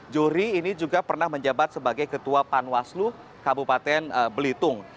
juri ini juga pernah menjabat sebagai ketua panwaslu kabupaten belitung